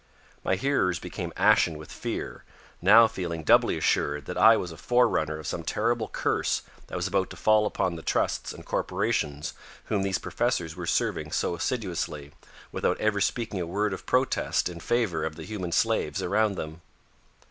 My hearers became ashen with fear, now feeling doubly assured that I was a forerunner of some terrible curse that was about to fall upon the Trusts and corporations whom those professors were serving so assiduously, without ever speaking a word of protest in favor of the human slaves around them.